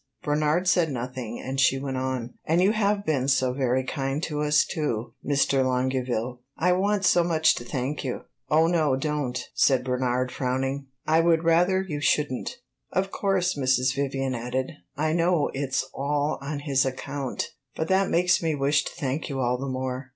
Bernard said nothing, and she went on. "And you have been so very kind to us, too, Mr. Longueville. I want so much to thank you." "Oh no, don't!" said Bernard, frowning. "I would rather you should n't." "Of course," Mrs. Vivian added, "I know it 's all on his account; but that makes me wish to thank you all the more.